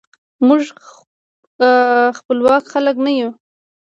موږ خپواک خلک نه یو.